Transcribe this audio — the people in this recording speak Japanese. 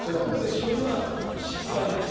それは失敗なんですか？